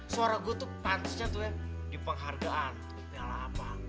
suara gua tuh pantasnya tuh ya dipenghargaan ya lah bang